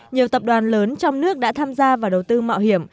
nhiều tập đoàn lớn trong nước đã tham gia vào đầu tư mạo hiểm